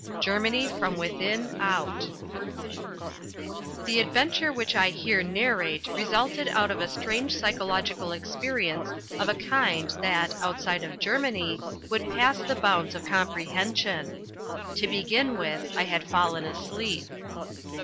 Germany from Within Out The adventure which I here narrate resulted out of a strange psychological experience of a kind that (outside of Germany) would pass the bounds of comprehension. To begin with, I had fallen asleep.